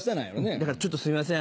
だからちょっとすいません